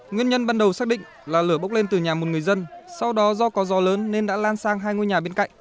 nguyên nhân ban đầu xác định là lửa bốc lên từ nhà một người dân sau đó do có gió lớn nên đã lan sang hai ngôi nhà bên cạnh